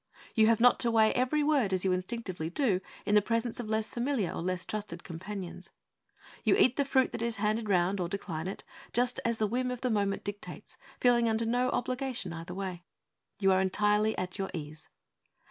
You have not to weigh every word as you instinctively do in the presence of less familiar or less trusted companions. You eat the fruit that is handed round, or decline it, just as the whim of the moment dictates, feeling under no obligation either way. You are entirely at your ease.